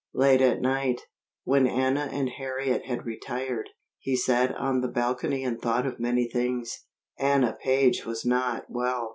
Late at night, when Anna and Harriet had retired, he sat on the balcony and thought of many things. Anna Page was not well.